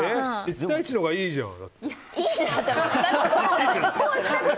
１対１のほうがいいじゃん。